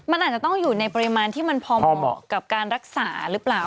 มันอาจจะต้องอยู่ในปริมาณที่มันพอเหมาะกับการรักษาหรือเปล่า